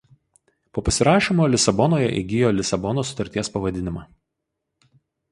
Po pasirašymo Lisabonoje įgijo Lisabonos sutarties pavadinimą.